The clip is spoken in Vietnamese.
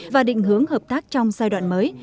và định hướng hợp tác trong giai đoạn mới